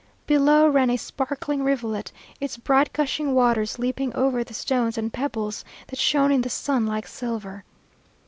Below ran a sparkling rivulet, its bright gushing waters leaping over the stones and pebbles that shone in the sun like silver.